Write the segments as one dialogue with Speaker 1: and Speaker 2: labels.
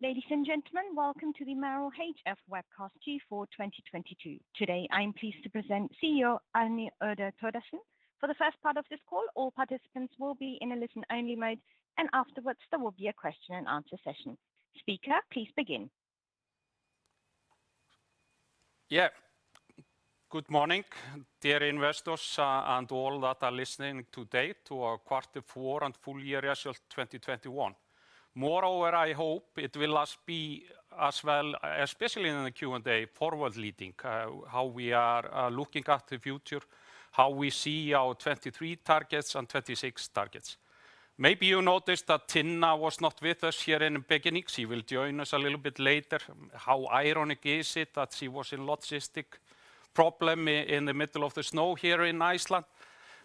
Speaker 1: Ladies and gentlemen, welcome to the Marel hf webcast Q4 2022. Today, I am pleased to present CEO Árni Oddur Thórðarson. For the first part of this call, all participants will be in a Listen-Only Mode, and afterwards there will be a question and answer session. Speaker, please begin.
Speaker 2: Good morning, dear investors, and all that are listening today to our 1/4 four and full year result 2021. Moreover, I hope it will as well be as well, especially in the Q&A, Forward-Looking how we are looking at the future, how we see our 2023 targets and 2026 targets. Maybe you noticed that Tinna was not with us here in the beginning. She will join us a little bit later. How ironic is it that she was in logistics problem in the middle of the snow here in Iceland,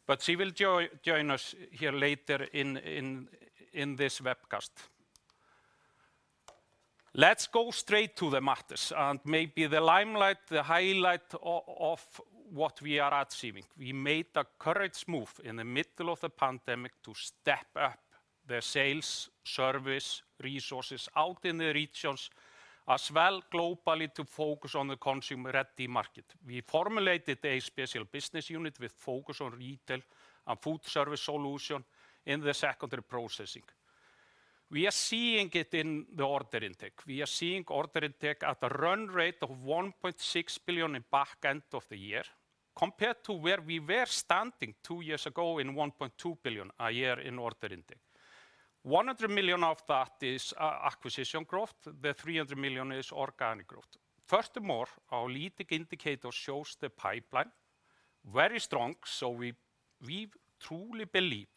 Speaker 2: but she will join us here later in this webcast. Let's go straight to the matters and maybe the limelight, the highlight of what we are achieving. We made a courageous move in the middle of the pandemic to step up the sales, service, resources out in the regions, as well globally to focus on the Consumer-Ready market. We formulated a special business unit with focus on retail and food service solution in the secondary processing. We are seeing it in the order intake. We are seeing order intake at a run rate of 1.6 billion in the back end of the year compared to where we were standing 2 years ago in 1.2 billion a year in order intake. 100 million of that is acquisition growth. The 300 million is organic growth. Furthermore, our leading indicator shows the pipeline very strong, so we truly believe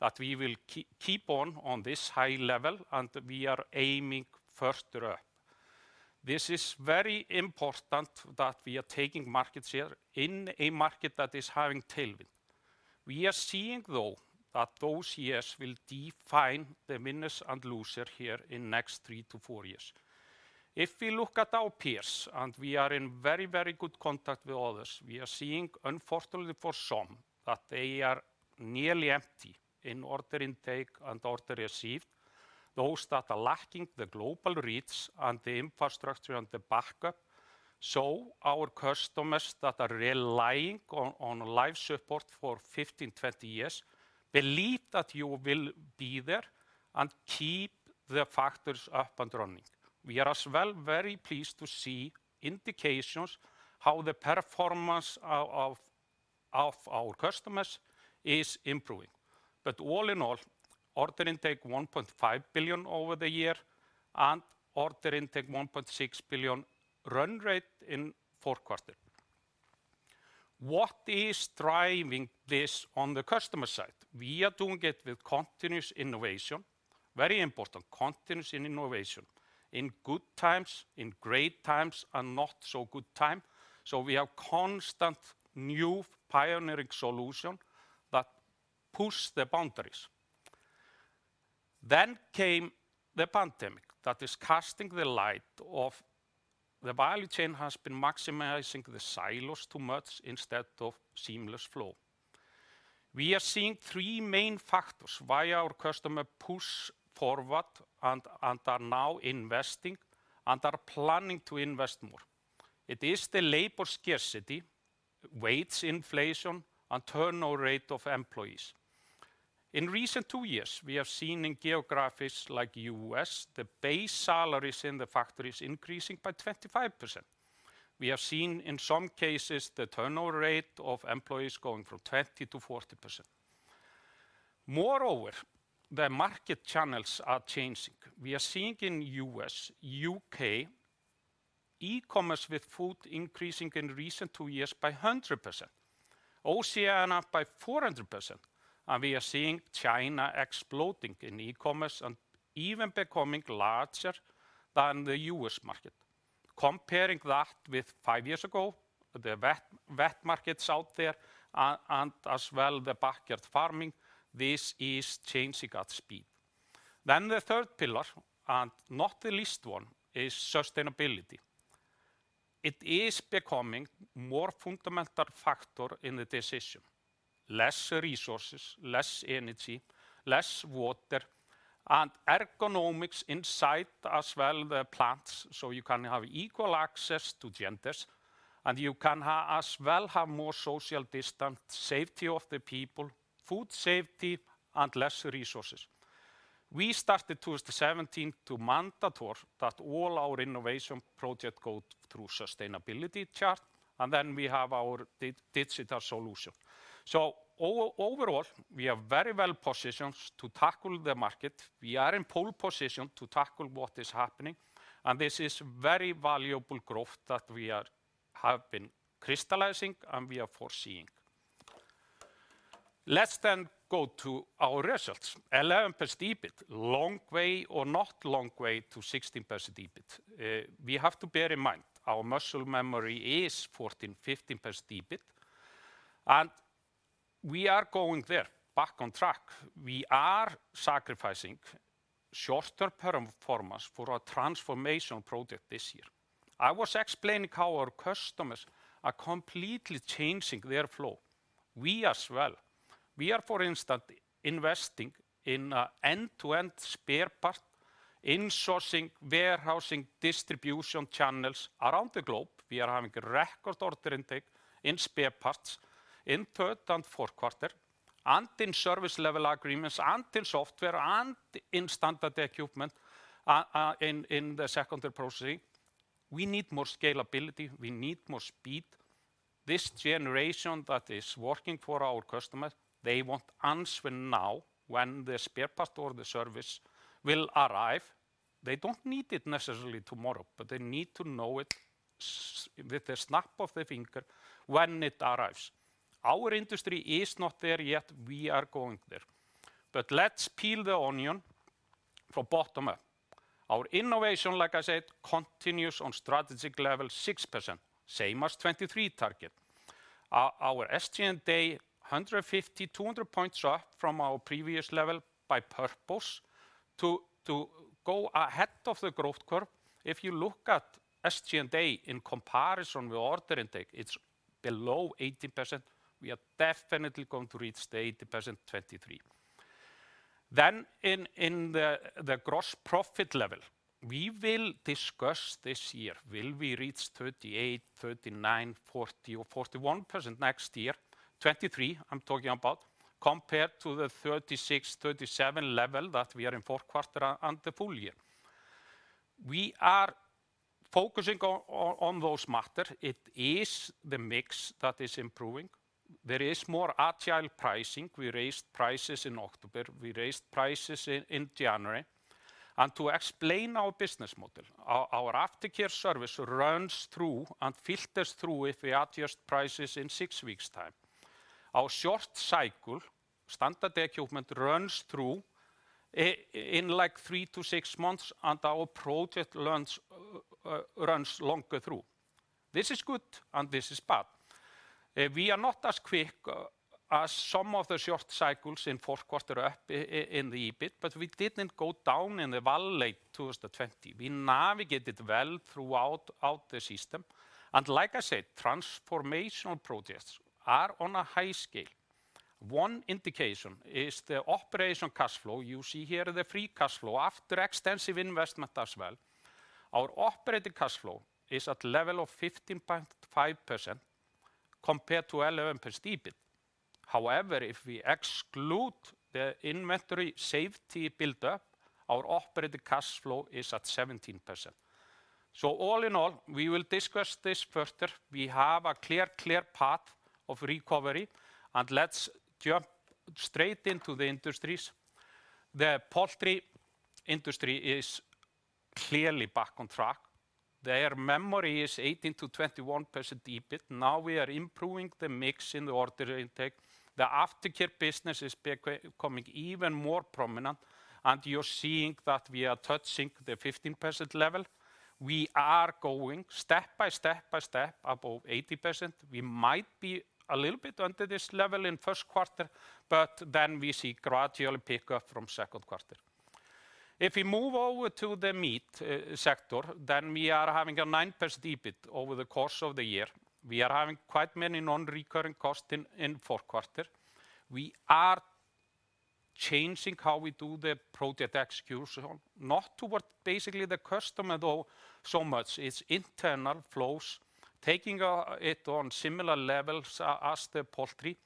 Speaker 2: that we will keep on this high level, and we are aiming further up. This is very important that we are taking market share in a market that is having tailwind. We are seeing, though, that those years will define the winners and losers here in next 3-4 years. If we look at our peers, and we are in very, very good contact with others, we are seeing, unfortunately for some, that they are nearly empty in order intake and orders received, those that are lacking the global reach and the infrastructure and the backup, so our customers that are relying on life support for 15, 20 years believe that you will be there and keep the factories up and running. We are as well very pleased to see indications how the performance of our customers is improving. All in all, order intake 1.5 billion over the year and order intake 1.6 billion run rate in the fourth 1/4. What is driving this on the customer side? We are doing it with continuous innovation. Very important, continuous innovation in good times, in great times, and not so good time, so we have constant new pioneering solution that push the boundaries. Then came the pandemic that is casting light on the value chain has been maximizing the silos too much instead of seamless flow. We are seeing 3 main factors why our customer push forward and are now investing and are planning to invest more. It is the labor scarcity, wage inflation, and turnover rate of employees. In recent 2 years, we have seen in geographies like U.S., the base salaries in the factories increasing by 25%. We have seen in some cases the turnover rate of employees going from 20 to 40%. Moreover, the market channels are changing. We are seeing in U.S., U.K., E-Commerce with food increasing in recent 2 years by 100%, Oceania by 400%, and we are seeing China exploding in E-Commerce and even becoming larger than the U.S. market. Comparing that with 5 years ago, the wet markets out there and as well the backyard farming, this is changing at speed. The 1/3 pillar, and not the least one, is sustainability. It is becoming more fundamental factor in the decision. Less resources, less energy, less water, and ergonomics inside as well the plants, so you can have equal access to genders, and you can as well have more social distance, safety of the people, food safety, and less resources. We started 2017 to make mandatory that all our innovation projects go through sustainability check, and then we have our digital solution. Overall, we are very well positioned to tackle the market. We are in pole position to tackle what is happening, and this is very valuable growth that we have been crystallizing and we are foreseeing. Let's go to our results. 11% EBIT. Long way or not long way to 16% EBIT. We have to bear in mind our muscle memory is 14, 15% EBIT, and we are going there, back on track. We are sacrificing shorter term performance for our transformation project this year. I was explaining how our customers are completely changing their flow. We as well are, for instance, investing in an End-To-End spare part insourcing, warehousing, distribution channels around the globe. We are having a record order intake in spare parts in 1/3 and fourth 1/4 and in service level agreements and in software and in standard equipment, in the secondary processing. We need more scalability. We need more speed. This generation that is working for our customers, they want answer now when the spare part or the service will arrive. They don't need it necessarily tomorrow, but they need to know, with the snap of the finger, when it arrives. Our industry is not there yet. We are going there. Let's peel the onion from bottom up. Our innovation, like I said, continues on strategic level 6%, same as 2023 target. Our SG&A 150-200 points up from our previous level by purpose to go ahead of the growth curve. If you look at SG&A in comparison with order intake, it's below 18%. We are definitely going to reach the 80% 2023. In the gross profit level, we will discuss this year, will we reach 38, 39, 40 or 41% next year? 2023, I'm talking about, compared to the 36, 37 level that we are in fourth 1/4 and the full year. We are focusing on those matter. It is the mix that is improving. There is more agile pricing. We raised prices in October. We raised prices in January. To explain our business model, our aftercare service runs through and filters through if we adjust prices in 6 weeks' time. Our short cycle standard equipment runs through in like 3 to 6 months, and our project runs longer through. This is good and this is bad. We are not as quick as some of the short cycles in fourth 1/4 up in the EBIT, but we didn't go down in the valley 2020. We navigated well throughout the system. Like I said, transformational projects are on a high scale. One indication is the operating cash flow. You see here the free cash flow after extensive investment as well. Our operating cash flow is at a level of 15.5% compared to 11% EBIT. However, if we exclude the inventory safety buildup, our operating cash flow is at 17%. All in all, we will discuss this further. We have a clear path of recovery, and let's jump straight into the industries. The poultry industry is clearly back on track. Their margin is 18%-21% EBIT. Now we are improving the mix in the order intake. The aftercare business is becoming even more prominent, and you're seeing that we are touching the 15% level. We are going step by step by step above 80%. We might be a little bit under this level in first 1/4, but then we see gradual pick up from second 1/4. If we move over to the meat sector, then we are having a 9% EBIT over the course of the year. We are having quite many Non-Recurring costs in fourth 1/4. We are changing how we do the project execution, not toward basically the customer though so much. It's internal flows, taking it on similar levels as the poultry.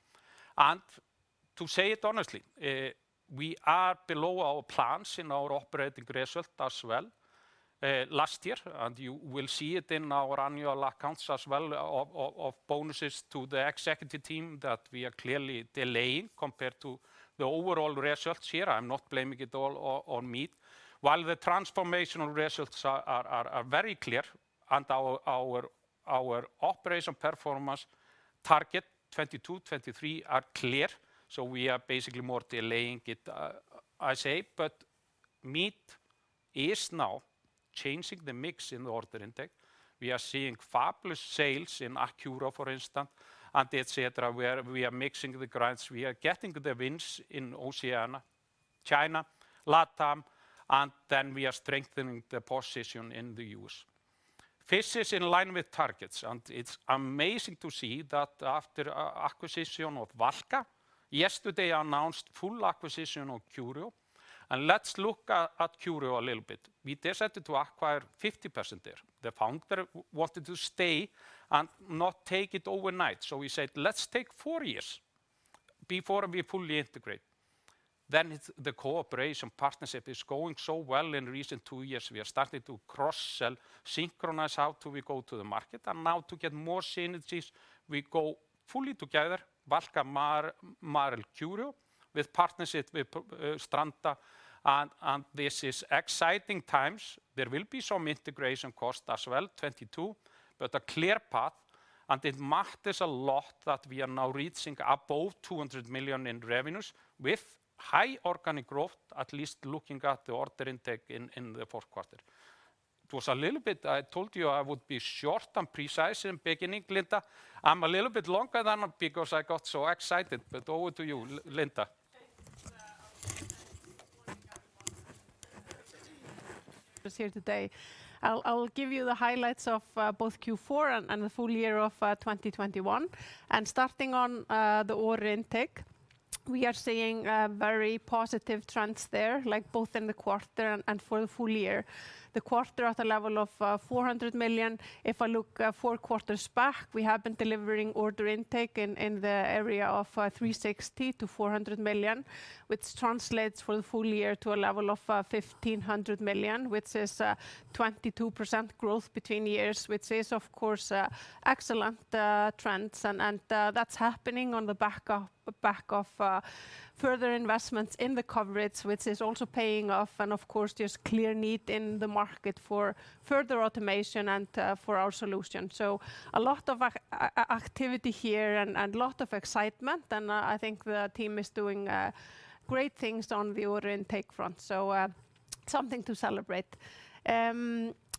Speaker 2: To say it honestly, we are below our plans in our operating result as well, last year, and you will see it in our annual accounts as well of bonuses to the executive team that we are clearly delaying compared to the overall results here. I'm not blaming it all on meat. While the transformational results are very clear and our operation performance target 2022, 2023 are clear, so we are basically more delaying it, I say. Meat is now changing the mix in the order intake. We are seeing fabulous sales in aqua, for instance, and et cetera, where we are mixing the grinds. We are getting the wins in Oceania, China, LatAm, and then we are strengthening the position in the U.S. Fish is in line with targets, and it's amazing to see that after acquisition of Valka, yesterday announced full acquisition of Curio. Let's look at Curio a little bit. We decided to acquire 50% there. The founder wanted to stay and not take it overnight, so we said, "Let's take four years before we fully integrate." The cooperation partnership is going so well in recent 2 years. We are starting to cross-sell, synchronize how do we go to the market. Now to get more synergies, we go fully together, Valka, Marel, Curio, with partnership with Stranda. This is exciting times. There will be some integration cost as well, 2022, but a clear path. It matters a lot that we are now reaching above 200 million in revenues with high organic growth, at least looking at the order intake in the fourth 1/4. It was a little bit. I told you I would be short and precise at the beginning, Linda. I'm a little bit longer than because I got so excited, but over to you, Linda.
Speaker 3: just here today. I'll give you the highlights of both Q4 and the full year of 2021. Starting on the order intake, we are seeing very positive trends there, like both in the 1/4 and for the full year. The 1/4 at a level of 400 million. If I look four quarters back, we have been delivering order intake in the area of 360-400 million, which translates for the full year to a level of 1,500 million, which is 22% growth between years, which is of course excellent trends. That's happening on the back of further investments in the coverage, which is also paying off. Of course, there's clear need in the market for further automation and for our solution. A lot of activity here and lot of excitement. I think the team is doing great things on the order intake front. Something to celebrate.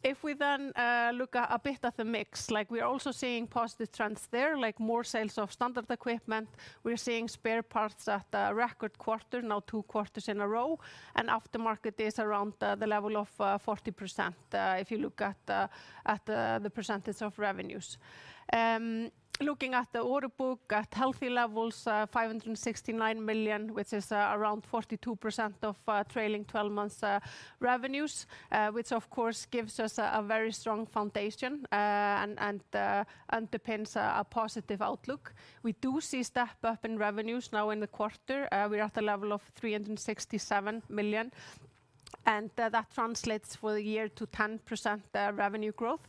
Speaker 3: If we then look a bit at the mix, like we're also seeing positive trends there, like more sales of standard equipment. We're seeing spare parts at a record 1/4, now 2 quarters in a row. Aftermarket is around the level of 40%, if you look at the percentage of revenues. Looking at the order book at healthy levels, 569 million, which is around 42% of trailing twelve months revenues, which of course gives us a very strong foundation and underpins a positive outlook. We do see step up in revenues now in the 1/4. We're at a level of 367 million, and that translates for the year to 10% revenue growth.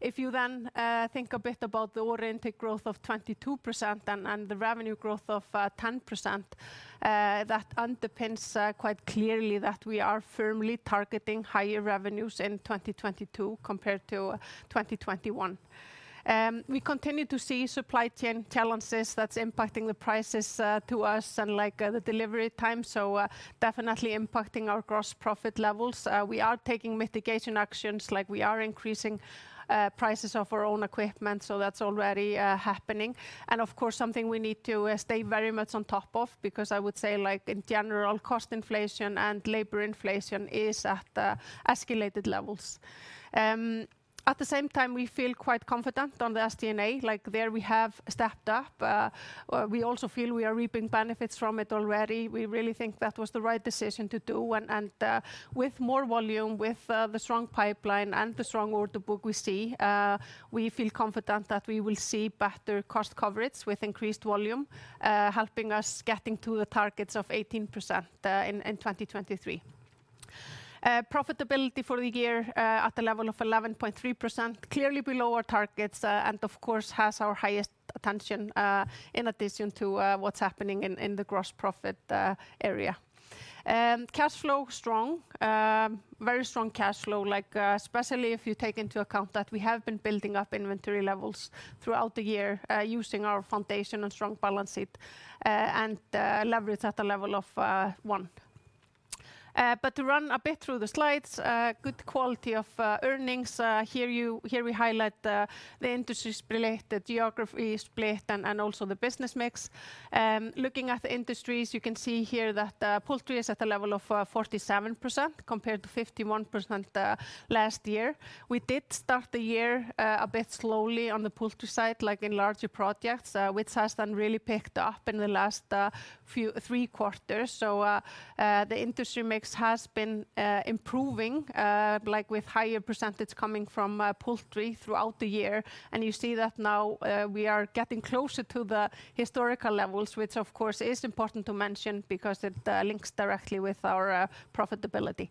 Speaker 3: If you then think a bit about the order intake growth of 22% and the revenue growth of 10%, that underpins quite clearly that we are firmly targeting higher revenues in 2022 compared to 2021. We continue to see supply chain challenges that's impacting the prices to us and like the delivery time. Definitely impacting our gross profit levels. We are taking mitigation actions like we are increasing prices of our own equipment. That's already happening. Of course, something we need to stay very much on top of because I would say like in general cost inflation and labor inflation is at escalated levels. At the same time, we feel quite confident on the SG&A. Like there we have stepped up. We also feel we are reaping benefits from it already. We really think that was the right decision to do. With more volume, the strong pipeline and the strong order book we see, we feel confident that we will see better cost coverage with increased volume helping us getting to the targets of 18% in 2023. Profitability for the year at a level of 11.3%, clearly below our targets, and of course has our highest attention, in addition to what's happening in the gross profit area. Cash flow strong. Very strong cash flow, like, especially if you take into account that we have been building up inventory levels throughout the year, using our foundation and strong balance sheet, and leverage at a level of 1. To run a bit through the Slides, good quality of earnings. Here we highlight the industries split, the geography split and also the business mix. Looking at the industries, you can see here that poultry is at a level of 47% compared to 51% last year. We did start the year a bit slowly on the poultry side, like in larger projects, which has then really picked up in the last 3 quarters. The industry mix has been improving, like with higher percentage coming from poultry throughout the year. You see that now, we are getting closer to the historical levels, which of course is important to mention because it links directly with our profitability.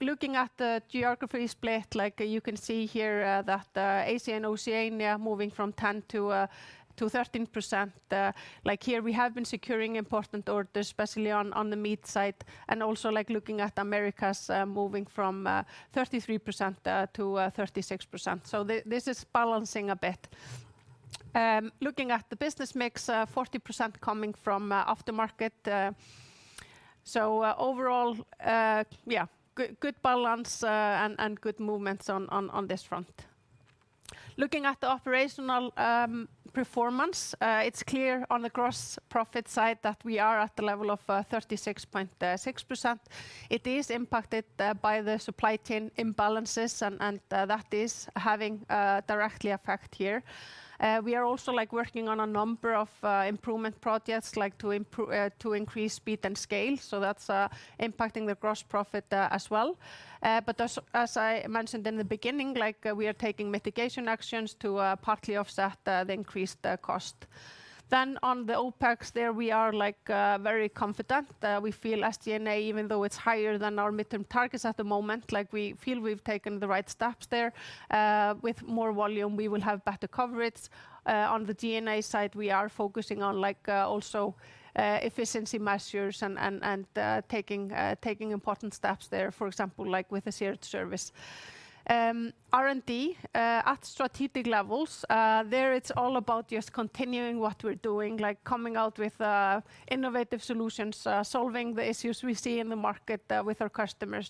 Speaker 3: Looking at the geography split, like you can see here, that Asia and Oceania moving from 10% to 13%. Like here we have been securing important orders, especially on the meat side, and also like looking at Americas, moving from 33% to 36%. This is balancing a bit. Looking at the business mix, 40% coming from aftermarket. Overall, yeah, good balance and good movements on this front. Looking at the operational performance, it's clear on the gross profit side that we are at the level of 36.6%. It is impacted by the supply chain imbalances and that is having direct effect here. We are also like working on a number of improvement projects like to increase speed and scale. That's impacting the gross profit as well. But as I mentioned in the beginning, like we are taking mitigation actions to partly offset the increased cost. On the OpEx there we are like very confident. We feel SG&A even though it's higher than our Mid-Term targets at the moment, like we feel we've taken the right steps there. With more volume, we will have better coverage. On the G&A side, we are focusing on, like, also efficiency measures and taking important steps there, for example, like with the shared service. R&D at strategic levels, there it's all about just continuing what we're doing, like coming out with innovative solutions, solving the issues we see in the market with our customers.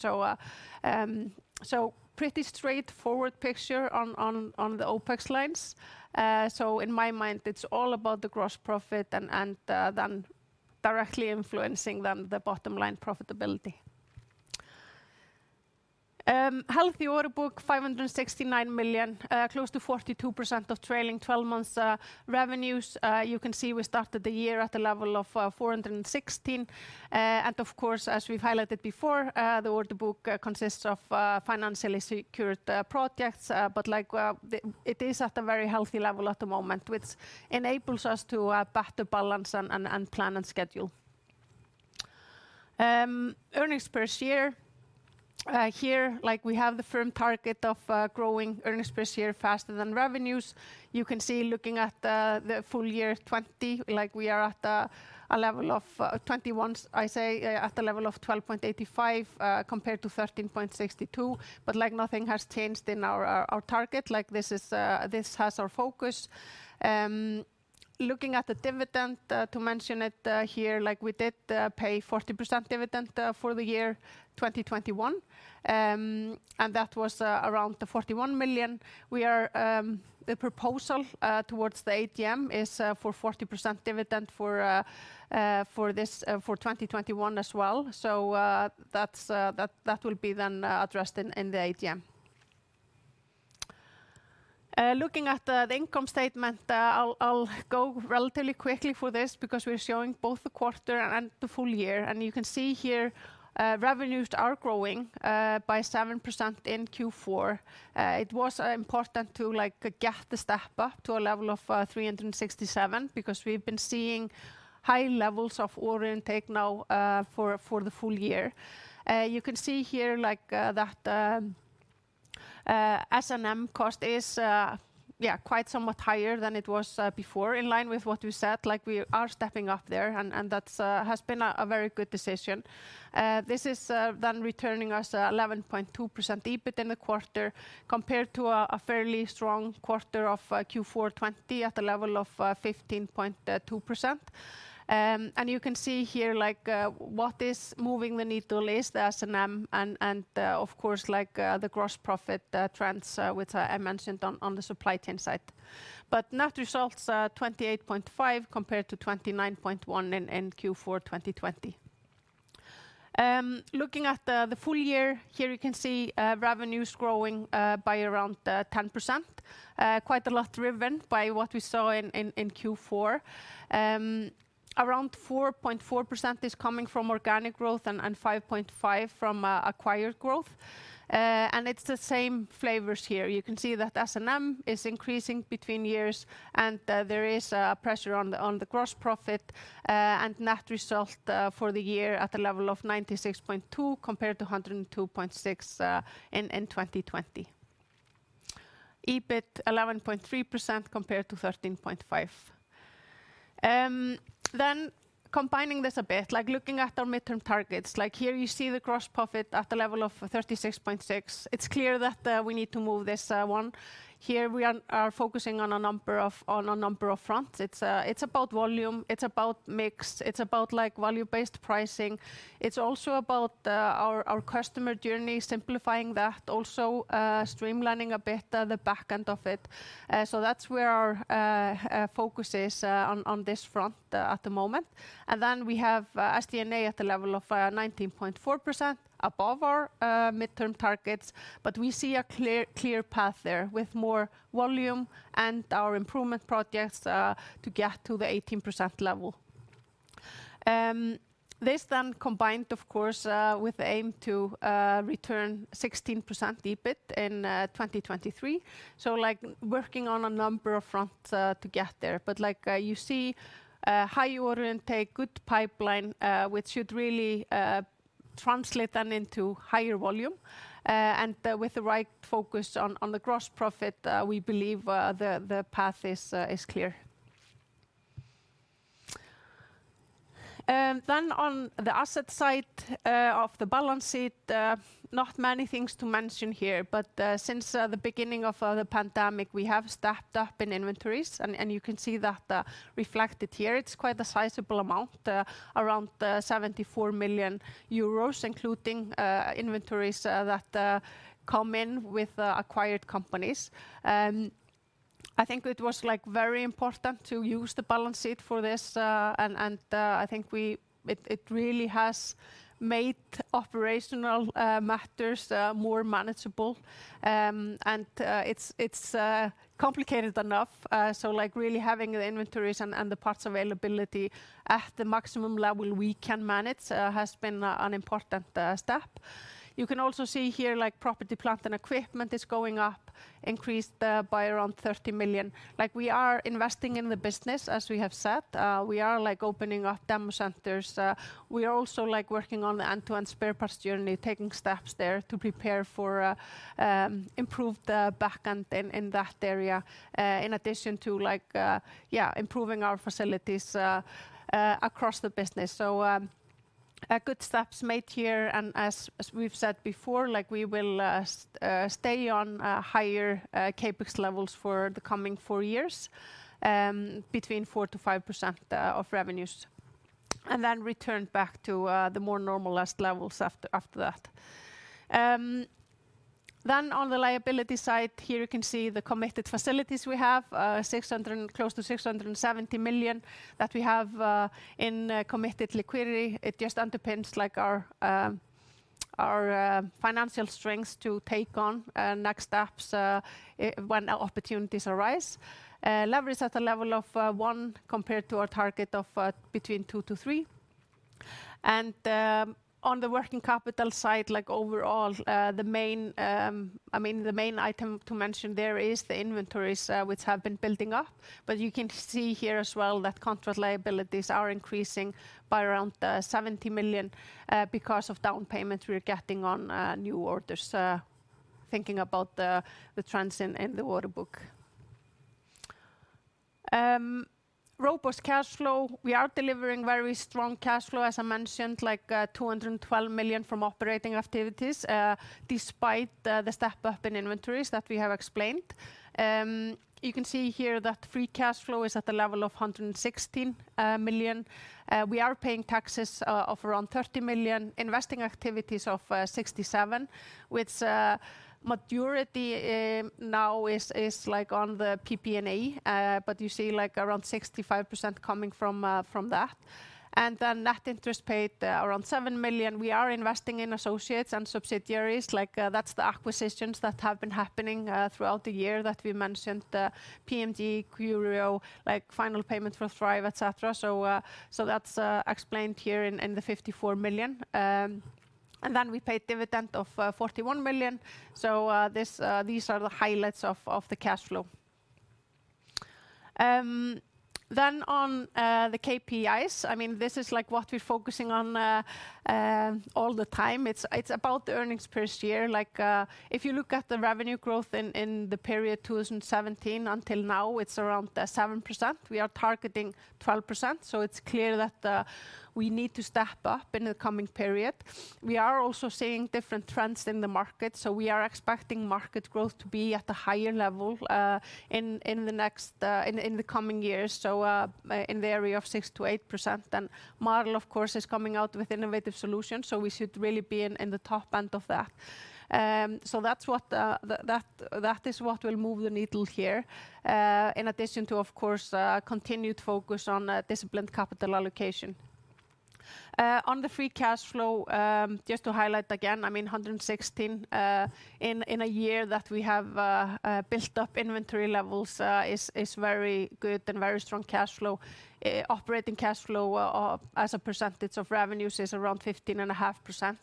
Speaker 3: Pretty straightforward picture on the OpEx lines. In my mind, it's all about the gross profit and then directly influencing the bottom line profitability. Healthy order book, 569 million, close to 42% of trailing twelve months revenues. You can see we started the year at a level of 416. Of course, as we've highlighted before, the order book consists of financially secured projects. Like, it is at a very healthy level at the moment, which enables us to better balance and plan and schedule. Earnings per share here, like, we have the firm target of growing earnings per share faster than revenues. You can see looking at the full year 2020, like, we are at a level of 12.85, compared to 13.62. Nothing has changed in our target. Like, this has our focus. Looking at the dividend to mention it here, like, we did pay 40% dividend for the year 2021. That was around 41 million. The proposal towards the AGM is for 40% dividend for 2021 as well. That will be then addressed in the AGM. Looking at the income statement, I'll go relatively quickly for this because we're showing both the 1/4 and the full year. You can see here, revenues are growing by 7% in Q4. It was important to, like, get the step up to a level of 367 because we've been seeing high levels of order intake now for the full year. You can see here, like, that S&M cost is yeah quite somewhat higher than it was before, in line with what we said. Like, we are stepping up there and that has been a very good decision. This is then returning us 11.2% EBIT in the 1/4 compared to a fairly strong 1/4 of Q4 2020 at a level of 15.2%. You can see here, like, what is moving the needle is the S&M and, of course, like, the gross profit trends, which I mentioned on the supply chain side. Net results are 28.5 compared to 29.1 in Q4 2020. Looking at the full year, here you can see revenues growing by around 10%, quite a lot driven by what we saw in Q4. Around 4.4% is coming from organic growth and 5.5% from acquired growth. It's the same flavors here. You can see that S&M is increasing between years and there is pressure on the gross profit and net result for the year at a level of 96.2 compared to 102.6 in 2020. EBIT 11.3% compared to 13.5%. Combining this a bit, like, looking at our Mid-Term targets, like, here you see the gross profit at a level of 36.6%. It's clear that we need to move this one. Here we are focusing on a number of fronts. It's about volume, it's about mix, it's about, like, value-based pricing. It's also about our customer journey, simplifying that also, streamlining a bit the back end of it. That's where our focus is on this front at the moment. We have SG&A at the level of 19.4% above our midterm targets. We see a clear path there with more volume and our improvement projects to get to the 18% level. This then combined, of course, with the aim to return 16% EBIT in 2023. Like, working on a number of fronts to get there. Like, you see, high order intake, good pipeline, which should really translate then into higher volume. With the right focus on the gross profit, we believe the path is clear. On the asset side of the balance sheet, not many things to mention here. Since the beginning of the pandemic, we have stacked up in inventories and you can see that reflected here. It's quite a sizable amount, around 74 million euros, including inventories that come in with acquired companies. I think it was, like, very important to use the balance sheet for this, and I think it really has made operational matters more manageable. It's complicated enough. Like, really having the inventories and the parts availability at the maximum level we can manage has been an important step. You can also see here, like, property, plant, and equipment is going up, increased by around 30 million. Like, we are investing in the business, as we have said. We are, like, opening up demo centers. We are also, like, working on the End-To-End spare parts journey, taking steps there to prepare for improved back end in that area, in addition to, like, yeah, improving our facilities across the business. Good steps made here. As we've said before, like, we will stay on higher CapEx levels for the coming four years, between 4%-5% of revenues, and then return back to the more normalized levels after that. On the liability side, here you can see the committed facilities we have, close to 670 million that we have in committed liquidity. It just underpins, like, our financial strengths to take on next steps when opportunities arise. Leverage at a level of 1 compared to our target of between 2-3. On the working capital side, like overall, the main, I mean the main item to mention there is the inventories which have been building up. You can see here as well that contract liabilities are increasing by around 70 million because of down payments we're getting on new orders, thinking about the trends in the order book. Robust cash flow. We are delivering very strong cash flow, as I mentioned, like, 212 million from operating activities, despite the step-up in inventories that we have explained. You can see here that free cash flow is at a level of 116 million. We are paying taxes of around 30 million, investing activities of 67, with the majority now is like on the PP&E, but you see like around 65% coming from that. Then net interest paid around 7 million. We are investing in associates and subsidiaries. Like, that's the acquisitions that have been happening throughout the year that we mentioned, the PMJ, Curio, like final payment for Treif, et cetera. So that's explained here in the 54 million. We paid dividend of 41 million. These are the highlights of the cash flow. On the KPIs, I mean this is like what we're focusing on all the time. It's about the earnings per share. Like, if you look at the revenue growth in the period 2017 until now, it's around 7%. We are targeting 12%, so it's clear that we need to step up in the coming period. We are also seeing different trends in the market, so we are expecting market growth to be at a higher level in the coming years in the area of 6%-8%. Marel, of course, is coming out with innovative solutions, so we should really be in the top end of that. That's what will move the needle here, in addition to of course continued focus on disciplined capital allocation. On the free cash flow, just to highlight again, I mean 116 in a year that we have built up inventory levels is very good and very strong cash flow. Operating cash flow as a percentage of revenues is around 15.5%.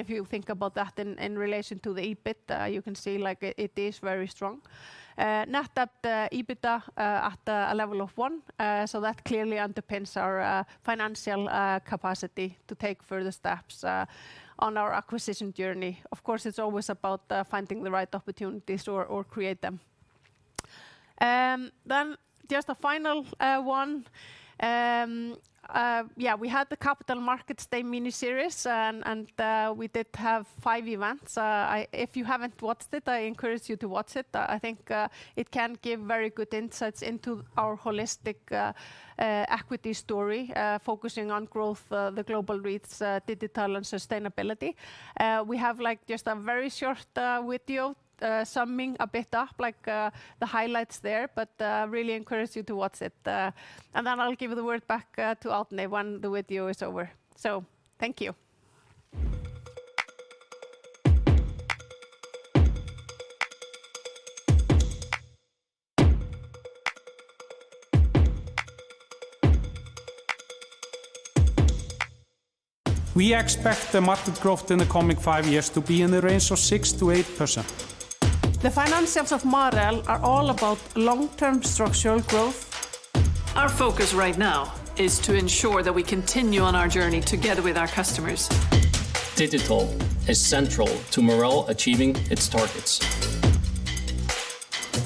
Speaker 3: If you think about that in relation to the EBIT, you can see, like, it is very strong. Net debt, EBITDA, at a level of one, so that clearly underpins our financial capacity to take further steps on our acquisition journey. Of course, it's always about finding the right opportunities or create them. Just a final one. We had the Capital Markets Day miniseries and we did have 5 events. If you haven't watched it, I encourage you to watch it. I think it can give very good insights into our holistic equity story focusing on growth, the global reach, digital and sustainability. We have, like, just a very short video summing a bit up, like, the highlights there, but really encourage you to watch it. I'll give the word back to Arni when the video is over. Thank you.
Speaker 2: We expect the market growth in the coming 5 years to be in the range of 6%-8%.
Speaker 3: The financials of Marel are all about long-term structural growth.
Speaker 4: Our focus right now is to ensure that we continue on our journey together with our customers.
Speaker 5: Digital is central to Marel achieving its targets.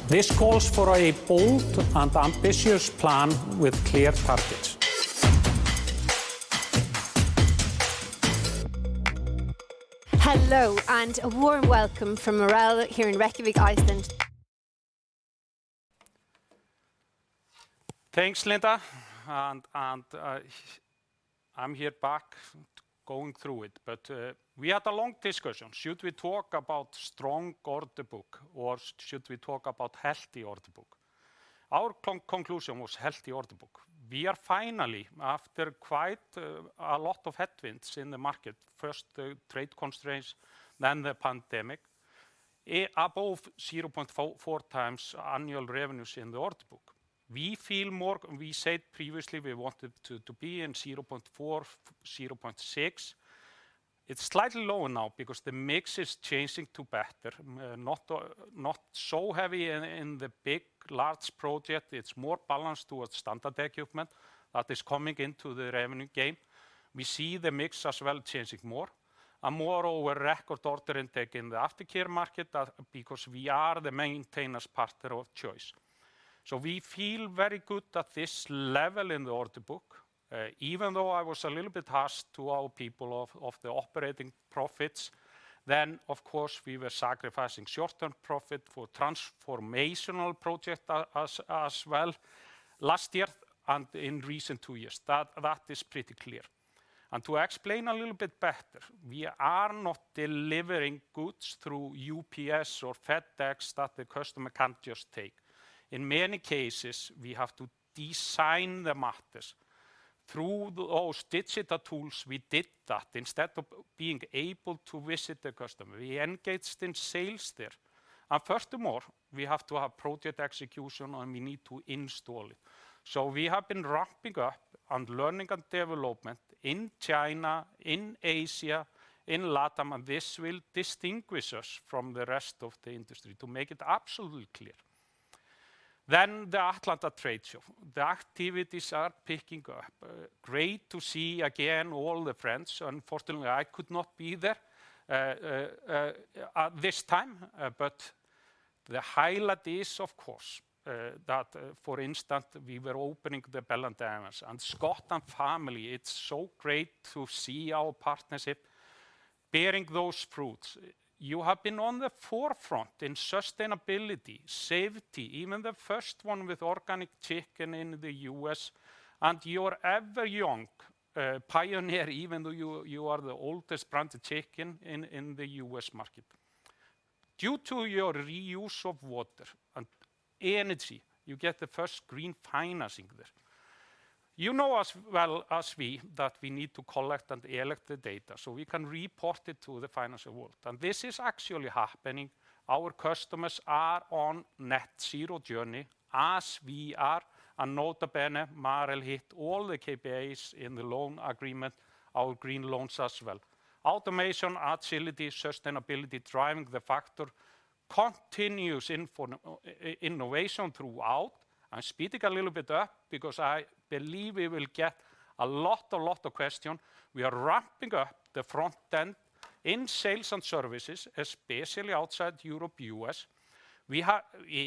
Speaker 2: This calls for a bold and ambitious plan with clear targets.
Speaker 4: Hello, and a warm welcome from Marel here in Reykjavík, Iceland.
Speaker 2: Thanks, Linda. I'm here back going through it, but we had a long discussion. Should we talk about strong order book or should we talk about healthy order book? Our conclusion was healthy order book. We are finally, after quite a lot of headwinds in the market, first the trade constraints, then the pandemic, above 0.4 times annual revenues in the order book. We feel more. We said previously we wanted to be in 0.4, 0.6. It's slightly lower now because the mix is changing to better, not so heavy in the big large project. It's more balanced towards standard equipment that is coming into the revenue game. We see the mix as well changing more. Moreover, record order intake in the aftercare market, because we are the maintenance partner of choice. We feel very good at this level in the order book. Even though I was a little bit harsh to our people of the operating profits, then of course we were sacrificing short-term profit for transformational projects as well last year and in recent 2 years. That is pretty clear. To explain a little bit better, we are not delivering goods through UPS or FedEx that the customer can just take. In many cases, we have to design the matters through those digital tools, we did that. Instead of being able to visit the customer, we engaged in sales there. Furthermore, we have to have project execution and we need to install it. We have been ramping up on learning and development in China, in Asia, in LATAM, and this will distinguish us from the rest of the industry to make it absolutely clear. The Atlanta trade show, the activities are picking up. Great to see again all the friends. Unfortunately, I could not be there at this time. But the highlight is, of course, that, for instance, we were opening the Bell & Evans. Scott and family, it's so great to see our partnership bearing those fruits. You have been on the forefront in sustainability, safety, even the first one with organic chicken in the U.S., and you're ever young pioneer even though you are the oldest branded chicken in the U.S. market. Due to your reuse of water and energy, you get the first green financing there. You know as well as we that we need to collect and select the data so we can report it to the financial world, and this is actually happening. Our customers are on net zero journey as we are. Nota bene, Marel hit all the KPIs in the loan agreement, our green loans as well. Automation, agility, sustainability, driving the factor, continuous innovation throughout. I'm speeding a little bit up because I believe we will get a lot of questions. We are ramping up the front end in sales and services, especially outside Europe, U.S. We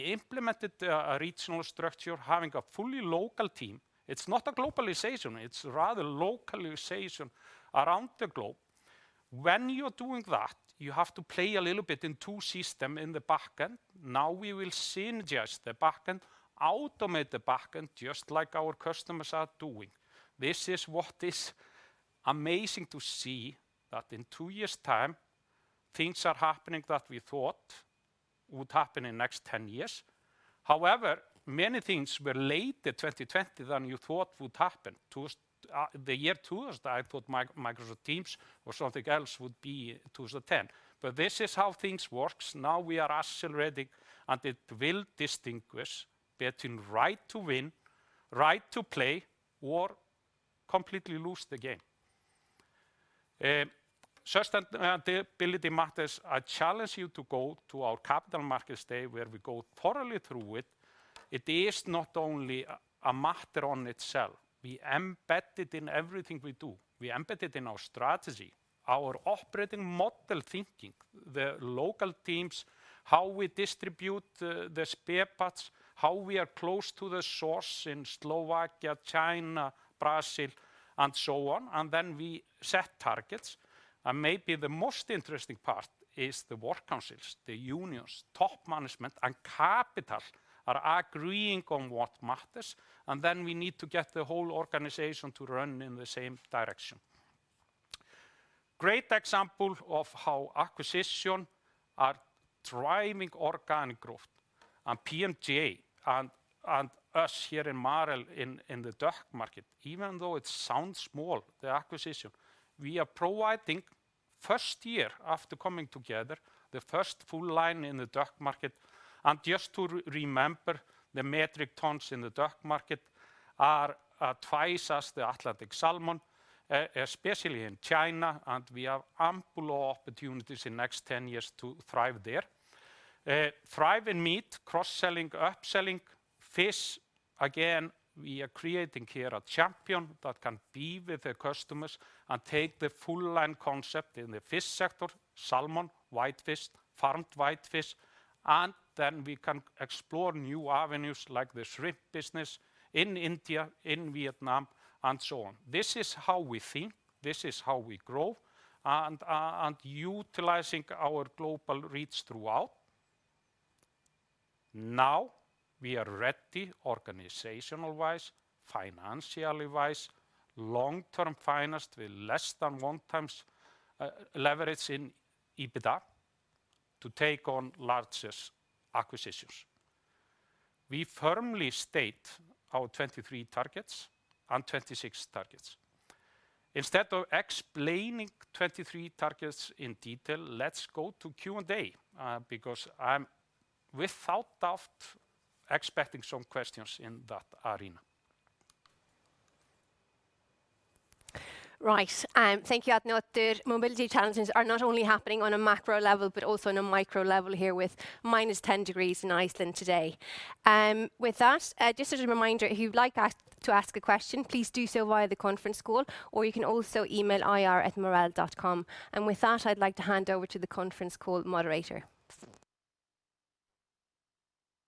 Speaker 2: implemented a regional structure having a fully local team. It's not a globalization, it's rather localization around the globe. When you're doing that, you have to play a little bit in 2 systems in the back end. Now we will synergize the back end, automate the back end just like our customers are doing. This is what is amazing to see that in 2 years' time things are happening that we thought would happen in next 10 years. However, many things were later 2020 than you thought would happen. The year 2000, I thought Microsoft Teams or something else would be 2010. But this is how things works. Now we are accelerating, and it will distinguish between right to win, right to play or completely lose the game. Sustainability matters. I challenge you to go to our Capital Markets Day where we go thoroughly through it. It is not only a matter on itself. We embed it in everything we do. We embed it in our strategy, our operating model thinking, the local teams, how we distribute the spare parts, how we are close to the source in Slovakia, China, Brazil, and so on. Then we set targets. Maybe the most interesting part is the works councils, the unions, top management, and capital are agreeing on what matters, and then we need to get the whole organization to run in the same direction. Great example of how acquisitions are driving organic growth and PMJ and us here in Marel in the duck market. Even though it sounds small, the acquisition, we are providing first year after coming together, the first full line in the duck market. Just to re-remember, the metric tons in the duck market are twice as the Atlantic salmon, especially in China, and we have ample of opportunities in next 10 years to thrive there. Thrive in meat, cross-selling, upselling fish. We are creating here a champion that can be with the customers and take the full line concept in the fish sector, salmon, whitefish, farmed whitefish, and then we can explore new avenues like the shrimp business in India, in Vietnam, and so on. This is how we think, this is how we grow and utilizing our global reach throughout. Now we are ready Organizational-Wise, Financially-Wise, long-term finance with less than 1x leverage in EBITDA to take on largest acquisitions. We firmly state our 2023 targets and 2026 targets. Instead of explaining 23 targets in detail, let's go to Q&A, because I'm without doubt expecting some questions in that arena.
Speaker 4: Right. Thank you, Arni. The mobility challenges are not only happening on a macro level but also on a micro level here with -10 degrees in Iceland today. With that, just as a reminder, if you'd like to ask a question, please do so via the conference call or you can also email ir@marel.com. With that, I'd like to hand over to the conference call moderator.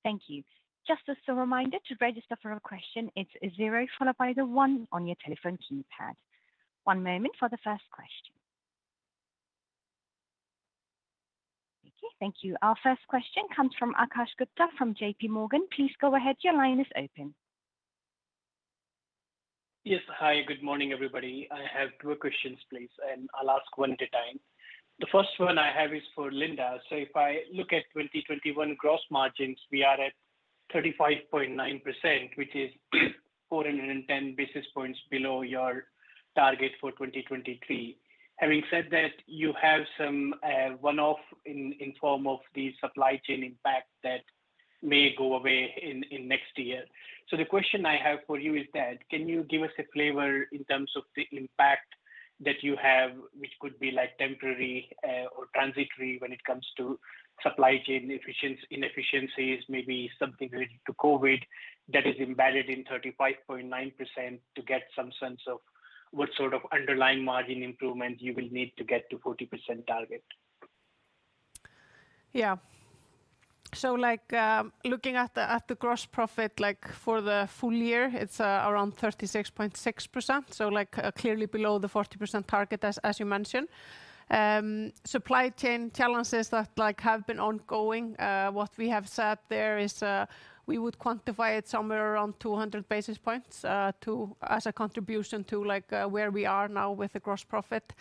Speaker 1: Thank you. Just as a reminder to register for a question, it's a 0 followed by the 1 on your telephone keypad. One moment for the first question. Okay, thank you. Our first question comes from Akash Gupta from J.P. Morgan. Please go ahead, your line is open.
Speaker 6: Yes. Hi, good morning, everybody. I have 2 questions, please, and I'll ask one at a time. The first one I have is for Linda. If I look at 2021 gross margins, we are at 35.9%, which is 410 basis points below your target for 2023. Having said that, you have some one-off in form of the supply chain impact that may go away in next year. The question I have for you is that can you give us a flavor in terms of the impact that you have, which could be like temporary or transitory when it comes to supply chain inefficiencies, maybe something related to COVID that is embedded in 35.9% to get some sense of what sort of underlying margin improvement you will need to get to 40% target?
Speaker 3: Yeah. Like, looking at the gross profit for the full year, it's around 36.6%. Like, clearly below the 40% target as you mentioned. Supply chain challenges that like have been ongoing, what we have said there is we would quantify it somewhere around 200 basis points as a contribution to like where we are now with the gross profit.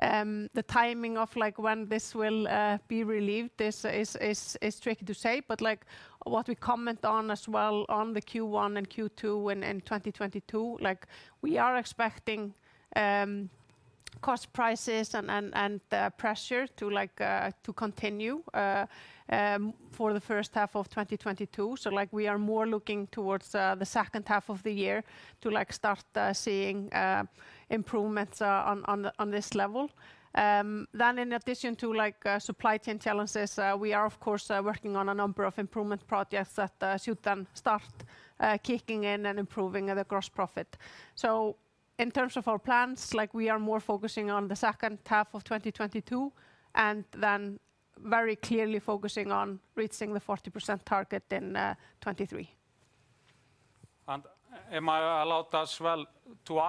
Speaker 3: The timing of like when this will be relieved is tricky to say. Like, what we comment on as well on the Q1 and Q2 in 2022, like we are expecting cost prices and pressure to like continue for the first 1/2 of 2022. Like we are more looking towards the second 1/2 of the year to like start seeing improvements on this level. In addition to like supply chain challenges, we are of course working on a number of improvement projects that should then start kicking in and improving the gross profit. In terms of our plans, like we are more focusing on the second 1/2 of 2022 and then very clearly focusing on reaching the 40% target in 2023.
Speaker 2: Am I allowed as well to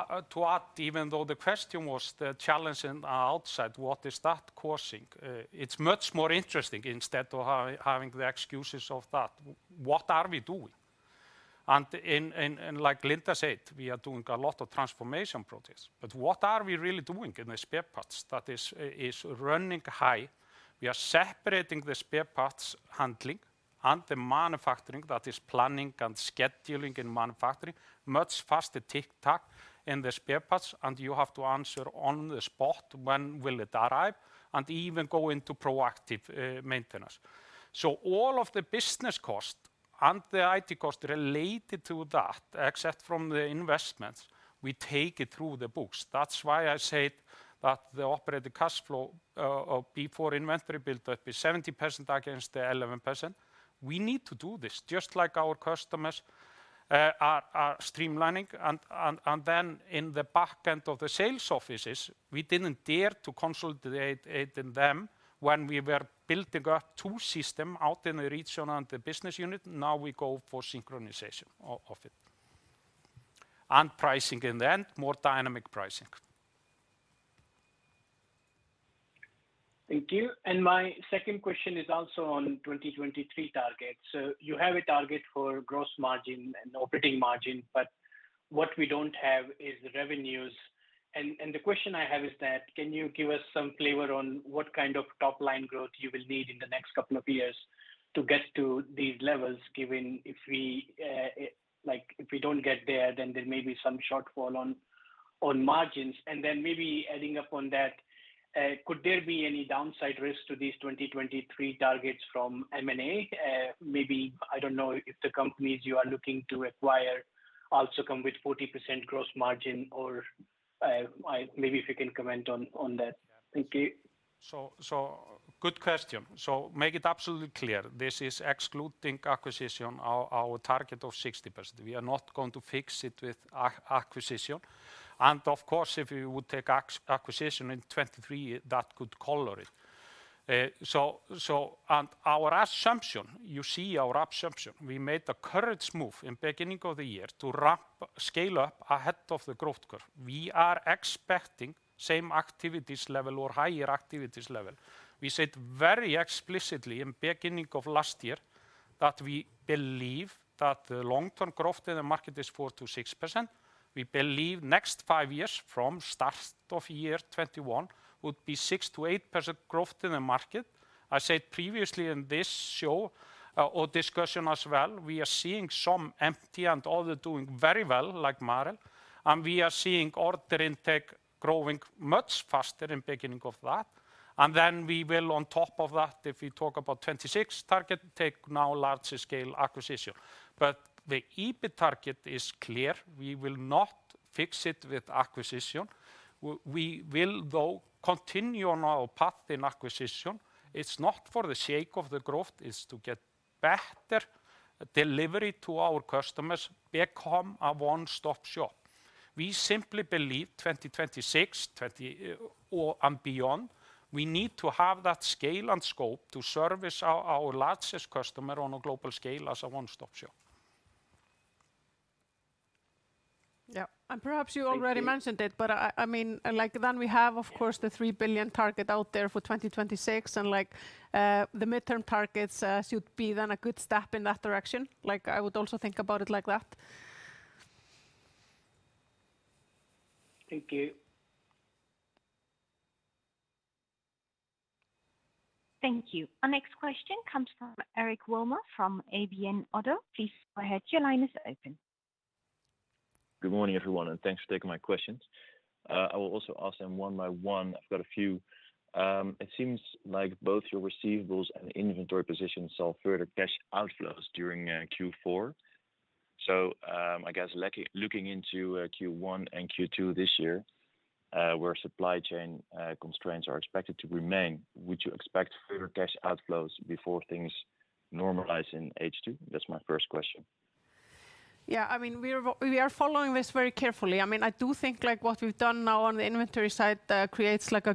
Speaker 2: add, even though the question was the challenge in outside, what is that causing? It's much more interesting instead of having the excuses of that, what are we doing? Like Linda said, we are doing a lot of transformation projects, but what are we really doing in the spare parts that is running high? We are separating the spare parts handling and the manufacturing that is planning and scheduling in manufacturing much faster tick-tock in the spare parts, and you have to answer on the spot, when will it arrive? Even go into proactive maintenance. All of the business cost and the IT cost related to that, except from the investments, we take it through the books. That's why I said that the operating cash flow of before inventory build up is 70% against the 11%. We need to do this just like our customers are streamlining. Then in the back end of the sales offices, we didn't dare to consolidate it in them when we were building up 2 system out in the region and the business unit. Now we go for synchronization of it. Pricing in the end, more dynamic pricing.
Speaker 6: Thank you. My second question is also on 2023 targets. You have a target for gross margin and operating margin, but what we don't have is revenues. The question I have is that can you give us some flavor on what kind of top-line growth you will need in the next couple of years to get to these levels, given, like, if we don't get there, then there may be some shortfall on margins. Then maybe adding up on that, could there be any downside risk to these 2023 targets from M&A? Maybe, I don't know if the companies you are looking to acquire also come with 40% gross margin or, maybe if you can comment on that. Thank you.
Speaker 2: Good question. Make it absolutely clear, this is excluding acquisitions. Our target of 60%. We are not going to fix it with acquisition. Of course, if you would take acquisition in 2023, that could color it. Our assumption, you see our assumption, we made the courageous move in beginning of the year to ramp scale up ahead of the growth curve. We are expecting same activity level or higher activity level. We said very explicitly in beginning of last year that we believe that the long-term growth in the market is 4%-6%. We believe next 5 years from start of year 2021 would be 6%-8% growth in the market. I said previously in this show or discussion as well, we are seeing some companies and others doing very well like Marel, and we are seeing order intake growing much faster in the beginning of that. We will on top of that, if we talk about 2026 target, take on larger scale acquisition. The EBIT target is clear. We will not fix it with acquisition. We will though continue on our path in acquisition. It's not for the sake of the growth, it's to get better delivery to our customers, become a one-stop shop. We simply believe 2026 and beyond, we need to have that scale and scope to service our largest customer on a global scale as a one-stop shop.
Speaker 3: Yeah. Perhaps you already mentioned it, but I mean, like then we have of course the 3 billion target out there for 2026 and like, the midterm targets should be then a good step in that direction. Like, I would also think about it like that.
Speaker 6: Thank you.
Speaker 1: Thank you. Our next question comes from Eric Wilmer from ABN AMRO. Please go ahead. Your line is open.
Speaker 7: Good morning, everyone, and thanks for taking my questions. I will also ask them one by one. I've got a few. It seems like both your receivables and inventory positions saw further cash outflows during Q4. I guess looking into Q1 and Q2 this year, where supply chain constraints are expected to remain, would you expect further cash outflows before things normalize in H2? That's my first question.
Speaker 3: Yeah. I mean, we are following this very carefully. I mean, I do think, like, what we've done now on the inventory side creates, like, a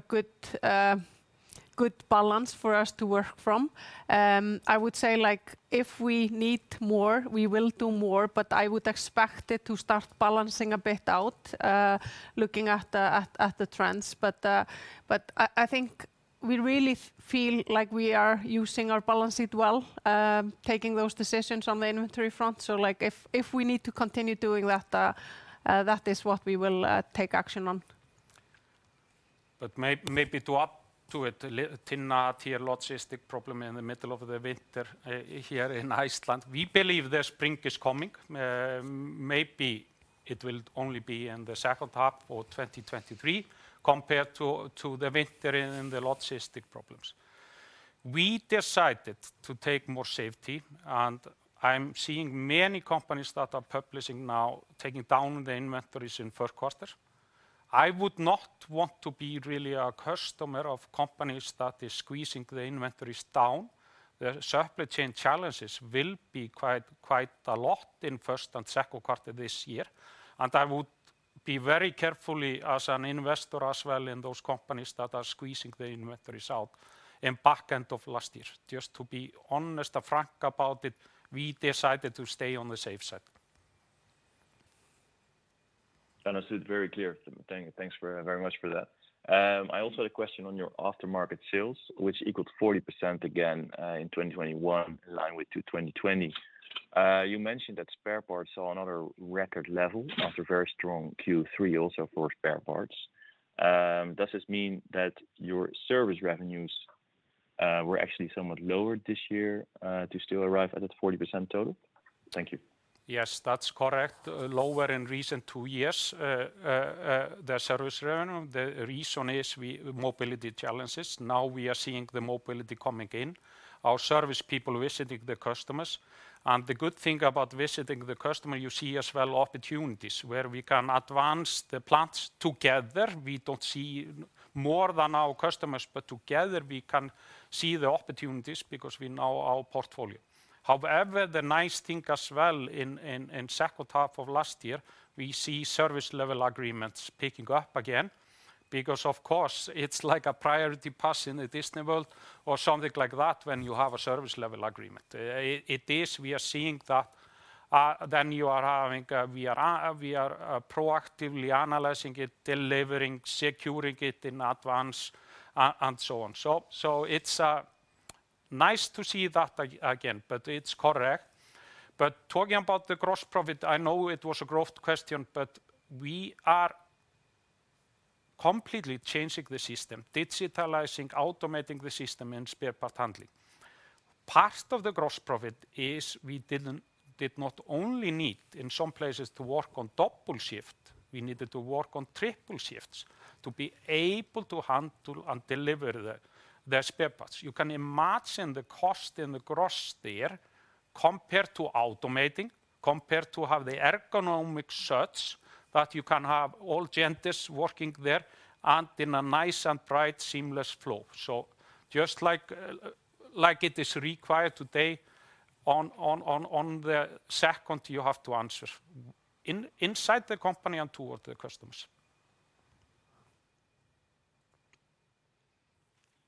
Speaker 3: good balance for us to work from. I would say, like, if we need more, we will do more, but I would expect it to start balancing a bit out, looking at the trends. I think we really feel like we are using our balance sheet well, taking those decisions on the inventory front. Like, if we need to continue doing that is what we will take action on.
Speaker 2: Maybe to add to it, Tinna had a logistics problem in the middle of the winter here in Iceland. We believe the spring is coming. Maybe it will only be in the second 1/2 of 2023 compared to the winter and the logistics problems. We decided to take more safety, and I'm seeing many companies that are publishing now taking down the inventories in first 1/4. I would not want to be really a customer of companies that is squeezing the inventories down. The supply chain challenges will be quite a lot in first and second 1/4 this year, and I would be very carefully as an investor as well in those companies that are squeezing the inventories out in back end of last year. Just to be honest and frank about it, we decided to stay on the safe side.
Speaker 7: Understood. Very clear. Thanks very much for that. I also had a question on your aftermarket sales, which equaled 40% again in 2021, in line with 2020. You mentioned that spare parts saw another record level after very strong Q3 also for spare parts. Does this mean that your service revenues were actually somewhat lower this year to still arrive at that 40% total? Thank you.
Speaker 2: Yes, that's correct. Lower in recent 2 years, the service revenue. The reason is mobility challenges. Now we are seeing the mobility coming in, our service people visiting the customers. The good thing about visiting the customer, you see as well opportunities where we can advance the plans together. We don't see more than our customers, but together we can see the opportunities because we know our portfolio. However, the nice thing as well in second 1/2 of last year, we see service level agreements picking up again. Because of course it's like a priority pass in the Disney World or something like that when you have a service level agreement. It is we are seeing that then you are having a service level agreement. We are proactively analyzing it, delivering, securing it in advance, and so on. It's nice to see that again, but it's correct. Talking about the gross profit, I know it was a growth question, but we are completely changing the system, digitizing, automating the system in spare part handling. Part of the gross profit is we did not only need in some places to work on double shift, we needed to work on triple shifts to be able to handle and deliver the spare parts. You can imagine the cost in the gross there compared to automating, compared to have the ergonomic setup that you can have all genders working there and in a nice and bright seamless flow. Just like it is required today, in a second you have to answer inside the company and to the customers.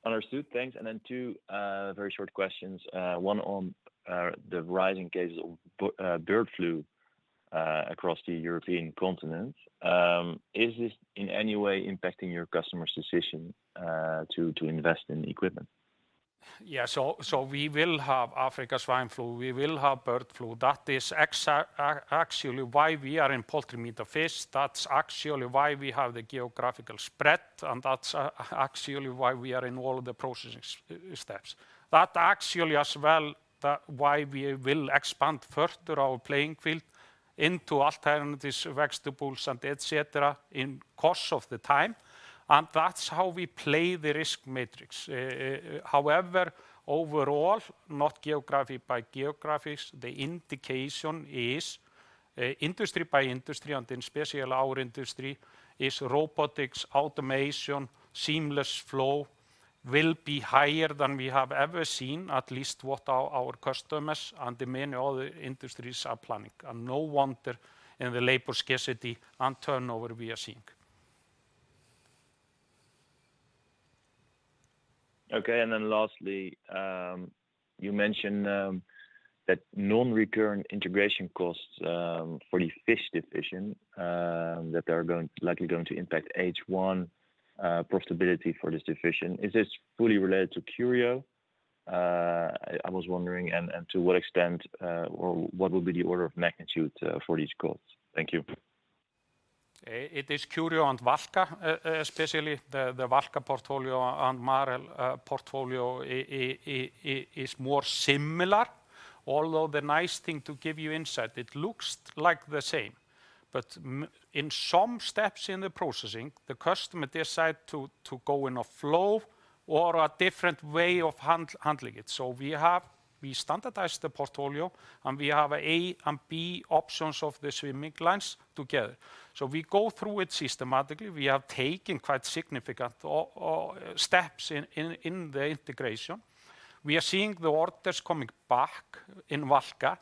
Speaker 7: Understood. Thanks. Two very short questions. One on the rising cases of bird flu across the European continent. Is this in any way impacting your customers' decision to invest in equipment?
Speaker 2: Yeah. We will have African swine fever. We will have bird flu. That is actually why we are in poultry, meat and fish. That's actually why we have the geographical spread, and that's actually why we are in all of the processing steps. That actually as well why we will expand further our playing field into alternatives, vegetables and et cetera in the course of the time, and that's how we play the risk matrix. However, overall, not geography by geographies, the indication is industry by industry, and especially our industry, is robotics, automation, seamless flow will be higher than we have ever seen, at least what our customers and the many other industries are planning. No wonder in the labor scarcity and turnover we are seeing.
Speaker 7: Okay. Lastly, you mentioned that Non-Recurrent integration costs for the fish division that they are likely going to impact H1 profitability for this division. Is this fully related to Curio? I was wondering and to what extent or what will be the order of magnitude for these costs? Thank you.
Speaker 2: It is Curio and Valka. Especially the Valka portfolio and Marel portfolio is more similar. Although the nice thing to give you insight, it looks like the same, but in some steps in the processing, the customer decide to go in a flow or a different way of handling it. We standardize the portfolio, and we have A and B options of the swimming lanes together. We go through it systematically. We have taken quite significant steps in the integration. We are seeing the orders coming back in Valka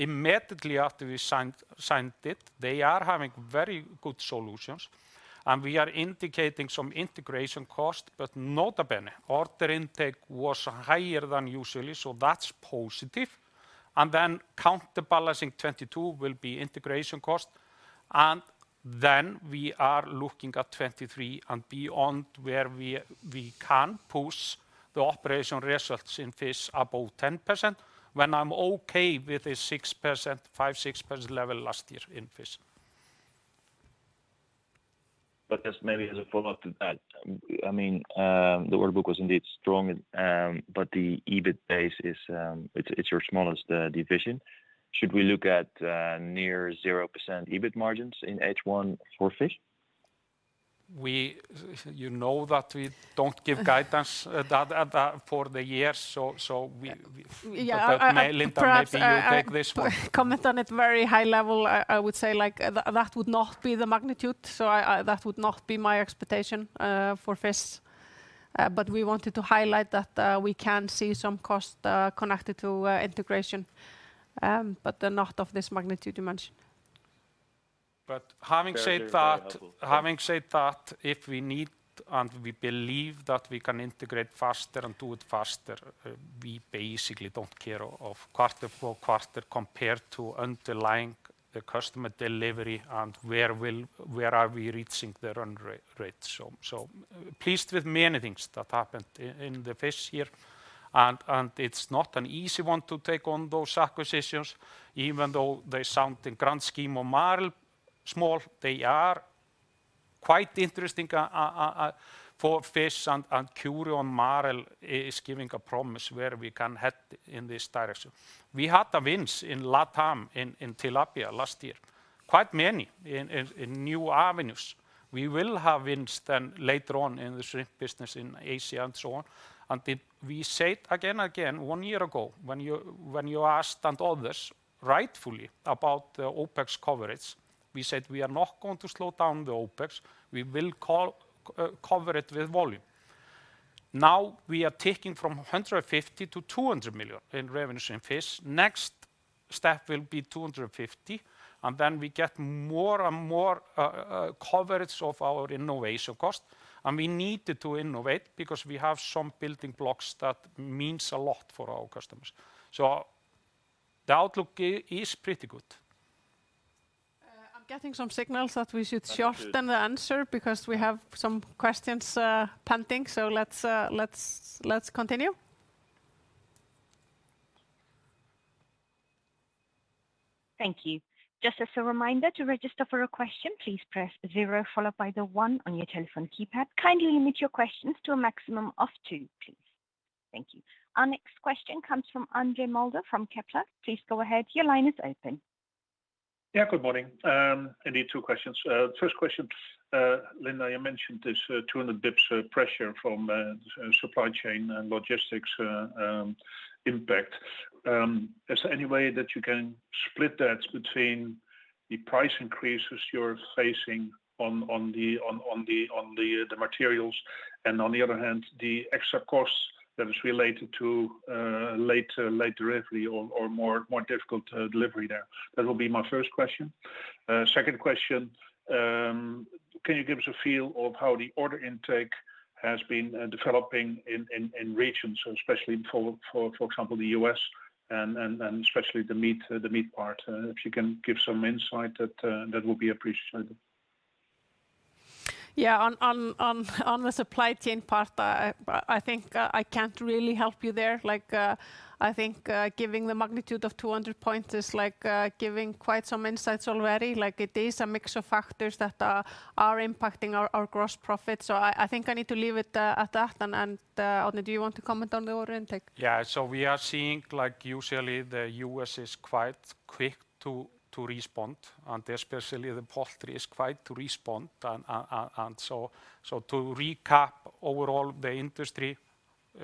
Speaker 2: immediately after we signed it. They are having very good solutions, and we are indicating some integration costs. Nota bene, order intake was higher than usually, so that's positive. Then counterbalancing 2022 will be integration cost. We are looking at 2023 and beyond where we can push the operational results in Fish above 10% when I'm okay with the 5-6% level last year in Fish.
Speaker 7: Just maybe as a Follow-Up to that, I mean, the order book was indeed strong, but the EBIT base is, it's your smallest division. Should we look at near 0% EBIT margins in H1 for Fish?
Speaker 2: You know that we don't give guidance at that for the year, so we
Speaker 3: Yeah.
Speaker 2: Maybe Linda, maybe you take this one.
Speaker 3: Perhaps I'll comment on it very high level. I would say, like, that would not be the magnitude that would not be my expectation for Fish. But we wanted to highlight that we can see some costs connected to integration, but they're not of this magnitude you mentioned.
Speaker 2: Having said that-
Speaker 7: Very, very helpful.
Speaker 2: Having said that, if we need, and we believe that we can integrate faster and do it faster, we basically don't care of 1/4 for 1/4 compared to underlying the customer delivery and where are we reaching the run rate. Pleased with many things that happened in the Fish year, and it's not an easy one to take on those acquisitions, even though they sound in grand scheme of Marel small, they are quite interesting for Fish. Curio and Marel is giving a promise where we can head in this direction. We had the wins in LatAm in tilapia last year, quite many in new avenues. We will have wins later on in the shrimp business in Asia and so on. We said again and again one year ago when you asked and others rightfully about the OpEx coverage. We said we are not going to slow down the OpEx. We will cover it with volume. Now we are taking from 150 million to 200 million in revenue in Fish. Next step will be 250 million, and then we get more and more coverage of our innovation cost. We needed to innovate because we have some building blocks that means a lot for our customers. The outlook is pretty good.
Speaker 3: I'm getting some signals that we should shorten the answer because we have some questions pending. Let's continue.
Speaker 1: Thank you. Just as a reminder, to register for a question, please press zero followed by the one on your telephone keypad. Kindly limit your questions to a maximum of 2, please. Thank you. Our next question comes from Andre Mulder from Kepler. Please go ahead. Your line is open.
Speaker 8: Good morning. I need 2 questions. First question. Linda, you mentioned this 200 basis points pressure from supply chain and logistics impact. Is there any way that you can split that between the price increases you're facing on the materials and on the other hand the extra costs that is related to late delivery or more difficult delivery there? That will be my first question. Second question. Can you give us a feel of how the order intake has been developing in regions, especially for example the U.S. and especially the meat part? If you can give some insight that will be appreciated.
Speaker 3: Yeah. On the supply chain part, I think I can't really help you there. Like, I think giving the magnitude of 200 points is like giving quite some insights already. Like, it is a mix of factors that are impacting our gross profit. I think I need to leave it at that. Arni, do you want to comment on the order intake?
Speaker 2: Yeah. We are seeing like usually the U.S. is quite quick to respond, and especially the poultry is quick to respond. To recap overall the industry,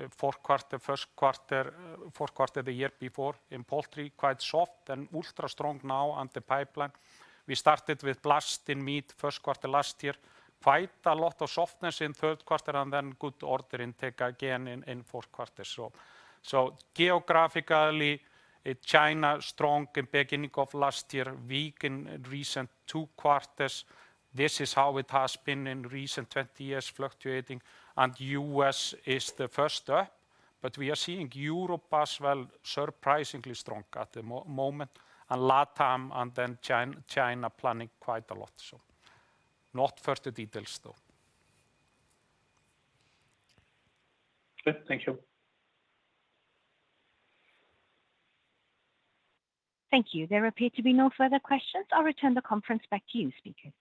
Speaker 2: fourth 1/4, first 1/4, fourth 1/4 the year before in poultry quite soft and ultra strong now and the pipeline. We started with blast in meat first 1/4 last year. Quite a lot of softness in 1/3 1/4 and then good order intake again in fourth 1/4. Geographically, China strong in beginning of last year, weak in recent 2 quarters. This is how it has been in recent 20 years fluctuating. U.S. is the first up, but we are seeing Europe as well surprisingly strong at the moment, and LatAm and then China planning quite a lot. No further details though.
Speaker 8: Good. Thank you.
Speaker 1: Thank you. There appear to be no further questions. I'll return the conference back to you speakers.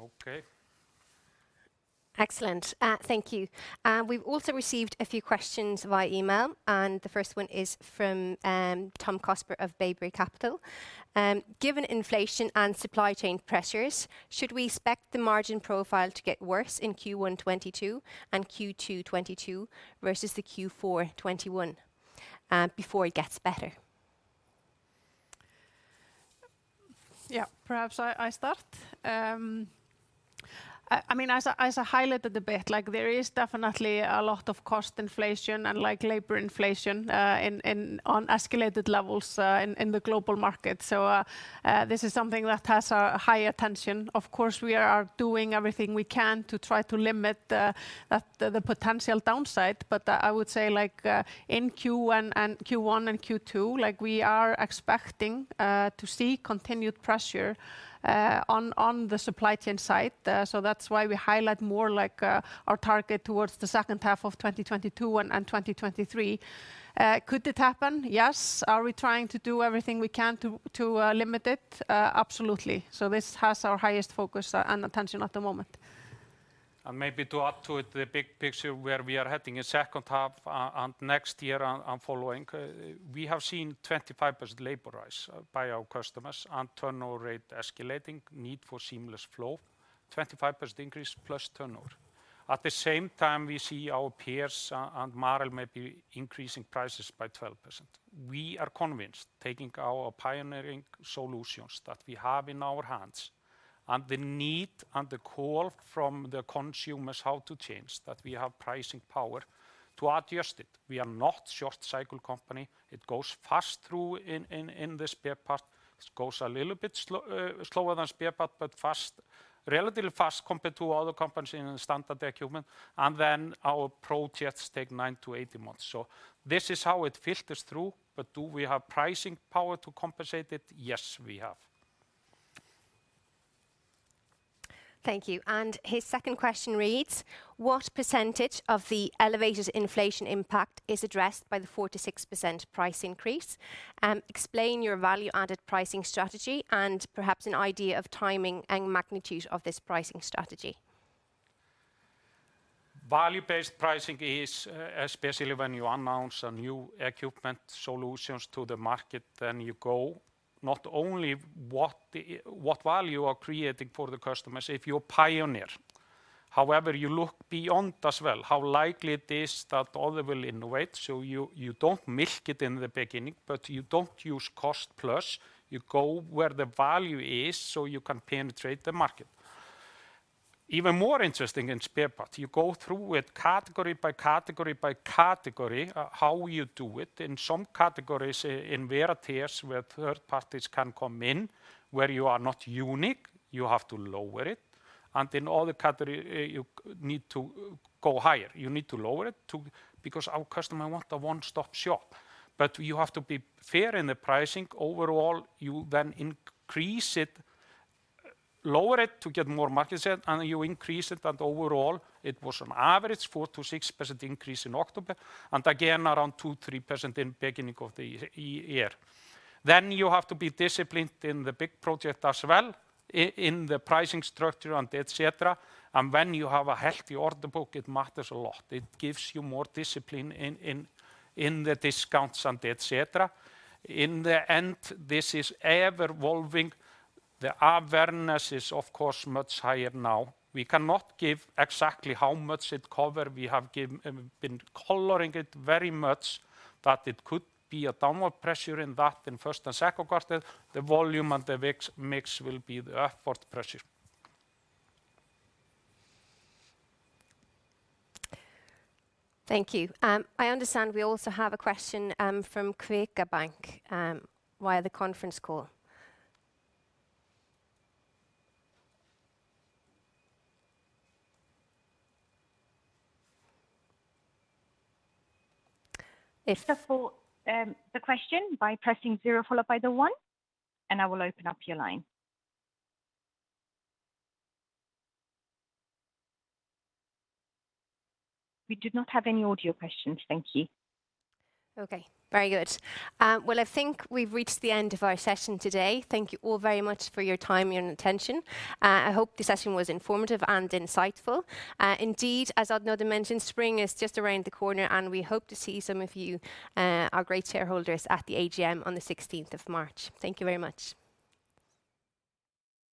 Speaker 2: Okay.
Speaker 4: Excellent. Thank you. We've also received a few questions via email, and the first one is from Tom Cosper of Bayberry Capital. Given inflation and supply chain pressures, should we expect the margin profile to get worse in Q1 2022 and Q2 2022 versus the Q4 2021 before it gets better?
Speaker 3: Perhaps I start. I mean, as I highlighted a bit, like, there is definitely a lot of cost inflation and, like, labor inflation, on escalated levels, in the global market. This is something that has our high attention. Of course, we are doing everything we can to try to limit the potential downside. I would say, like, in Q1 and Q2, like we are expecting to see continued pressure on the supply chain side. That's why we highlight more like our target towards the second 1/2 of 2022 and 2023. Could it happen? Yes. Are we trying to do everything we can to limit it? Absolutely. This has our highest focus and attention at the moment.
Speaker 2: Maybe to add to it the big picture where we are heading in second 1/2 and next year on following. We have seen 25% labor rise by our customers and turnover rate escalating, need for seamless flow, 25% increase plus turnover. At the same time we see our peers and Marel maybe increasing prices by 12%. We are convinced, taking our pioneering solutions that we have in our hands and the need and the call from the consumers how to change, that we have pricing power to adjust it. We are not short cycle company. It goes fast through in the spare part. It goes a little bit slower than spare part, but relatively fast compared to other companies in the standard equipment. Then our projects take 9-18 months. This is how it filters through. Do we have pricing power to compensate it? Yes, we have.
Speaker 4: Thank you. His second question reads: What percentage of the elevated inflation impact is addressed by the 4%-6% price increase? Explain your value-added pricing strategy and perhaps an idea of timing and magnitude of this pricing strategy.
Speaker 2: Value-based pricing is especially when you announce a new equipment solutions to the market, then you go what value you are creating for the customers if you're a pioneer. However, you look beyond as well, how likely it is that other will innovate. You don't milk it in the beginning, but you don't use cost plus. You go where the value is, so you can penetrate the market. Even more interesting in spare part, you go through with category by category by category, how you do it. In some categories, in where it is, where 1/3 parties can come in, where you are not unique, you have to lower it. In other category, you need to go higher. You need to lower it because our customer want a one-stop shop. You have to be fair in the pricing. Overall, you then increase it, lower it to get more market share, and you increase it. Overall, it was on average 4%-6% increase in October, and again around 2%-3% in the beginning of the year. You have to be disciplined in the big project as well in the pricing structure and et cetera. When you have a healthy order book, it matters a lot. It gives you more discipline in the discounts and et cetera. In the end, this is ever evolving. The awareness is of course much higher now. We cannot give exactly how much it cover. We have been coloring it very much that it could be a downward pressure in the first and second 1/4. The volume and the mix will be the upward pressure.
Speaker 4: Thank you. I understand we also have a question from Kvika Banki via the conference call. Yes.
Speaker 1: Just for, um, the question by pressing zero followed by the one, and I will open up your line. We do not have any audio questions. Thank you.
Speaker 4: Okay. Very good. Well, I think we've reached the end of our session today. Thank you all very much for your time and attention. I hope the session was informative and insightful. Indeed, as Arni Oddur mentioned, spring is just around the corner, and we hope to see some of you, our great shareholders at the AGM on the 6teenth of March. Thank you very much.